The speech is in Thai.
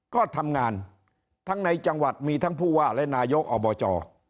ก็ทำงานทั้งในจังหวัดมีทั้งผู้ว่าและนายกอบจ